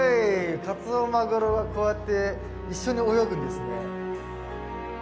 カツオマグロはこうやって一緒に泳ぐんですね。